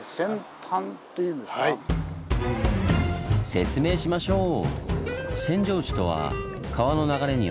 説明しましょう！